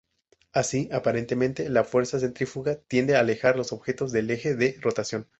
Así, aparentemente, la fuerza centrífuga tiende a alejar los objetos del eje de rotación.